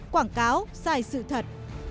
quảng cáo sai sự thật